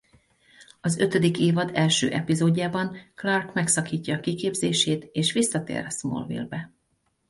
Az ötödik évad első epizódjában Clark megszakítja a kiképzését és visszatér Smallville-be.